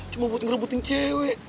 cuma buat ngerebutin cewek